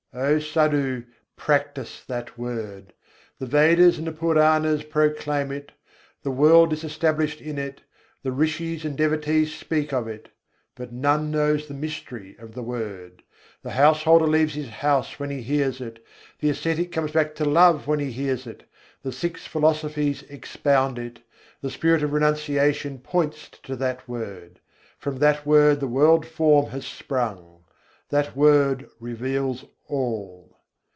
O Sadhu! practise that Word! The Vedas and the Puranas proclaim it, The world is established in it, The Rishis and devotees speak of it: But none knows the mystery of the Word. The householder leaves his house when he hears it, The ascetic comes back to love when he hears it, The Six Philosophies expound it, The Spirit of Renunciation points to that Word, From that Word the world form has sprung, That Word reveals all.